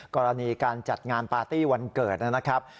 กรณีการจัดงานปาร์ตี้วันเกิดนะครับ